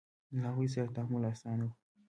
له هغوی سره تعامل اسانه و.